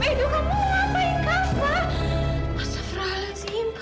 hei dok kamu mau ngapain kak